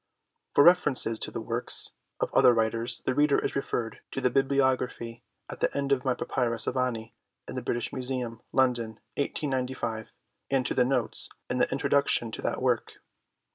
For references to the works of other writers the reader is referred to the Biblio graphy at the end of my Papyrus of Ani in the Bri tish Museum, London, 1895, an d to the notes in the Introduction to that work.